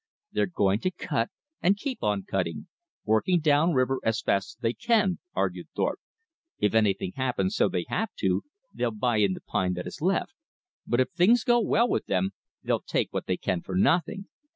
"They're going to cut, and keep on cutting, working down river as fast as they can," argued Thorpe. "If anything happens so they have to, they'll buy in the pine that is left; but if things go well with them, they'll take what they can for nothing.